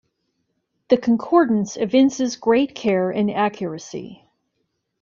The Concordance evinces great care and accuracy.